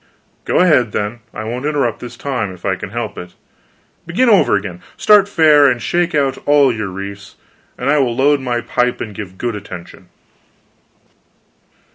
"Go ahead, then. I won't interrupt this time, if I can help it. Begin over again; start fair, and shake out all your reefs, and I will load my pipe and give good attention."